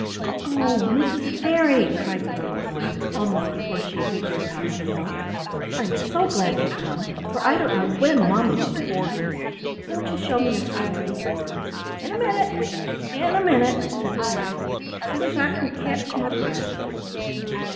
"Oh, Mrs. Fairy!" cried the little boy, almost before she had reached the top of the hill, "I'm so glad you've come, for I don't know when mamma will be here. Won't you show me a story?" "In a minute! in a minute!" said the fairy. "As soon as I can catch my breath."